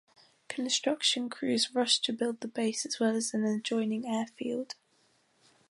Construction crews rushed to build the base as well as an adjoining air field.